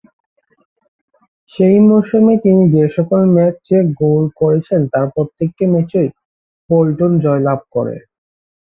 সেই মৌসুমে তিনি যেসকল ম্যাচে গোল করেছেন তার প্রত্যেকটি ম্যাচেই বোল্টন জয়লাভ করে।